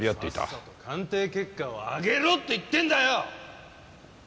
さっさと鑑定結果を上げろって言ってんだよ！